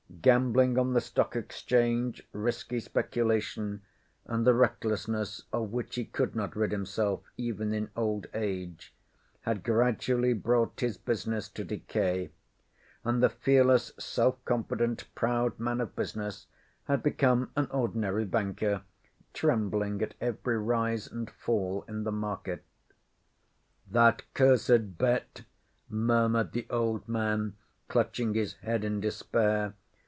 Gambling on the Stock Exchange, risky speculation, and the recklessness of which he could not rid himself even in old age, had gradually brought his business to decay; and the fearless, self confident, proud man of business had become an ordinary banker, trembling at every rise and fall in the market. "That cursed bet," murmured the old man clutching his head in despair...